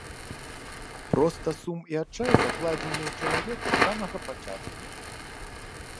Проста сум і адчай закладзены ў чалавеку з самага пачатку.